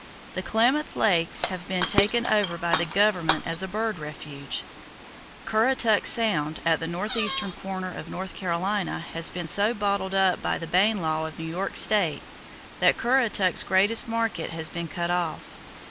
The Klamath Lakes have been taken over by the Government as a bird refuge. Currituck Sound, at the northeastern corner of North Carolina, has been so bottled up by the Bayne law of New York [Page 65] State that Currituck's greatest market has been cut off.